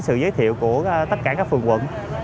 sự giới thiệu của tất cả các phường quận